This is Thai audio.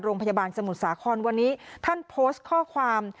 สมุทรสาครวันนี้ท่านโพสต์ข้อความ